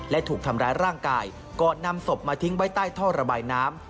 และถูกทำร้ายร่างกายก่อนนำศพมาทิ้งไว้ใต้ท่อระบายน้ำ